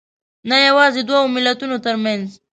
نه یوازې دوو ملتونو تر منځ